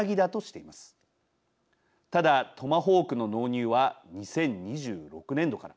ただトマホークの納入は２０２６年度から。